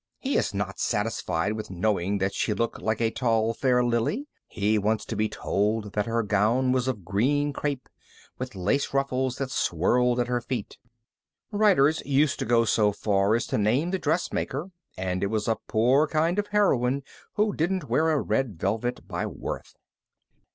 He is not satisfied with knowing that she looked like a tall, fair lily. He wants to be told that her gown was of green crepe, with lace ruffles that swirled at her feet. Writers used to go so far as to name the dressmaker; and it was a poor kind of a heroine who didn't wear a red velvet by Worth.